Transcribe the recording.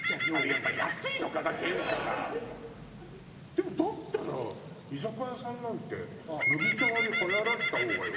でもだったら居酒屋さんなんて麦茶割りはやらせた方が良くない？